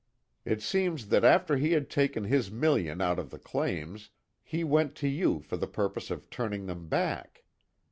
It seems that after he had taken his million out of the claims, he went to you for the purpose of turning them back.